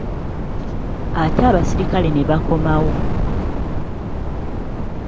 Ate abasirikale ne bakomawo.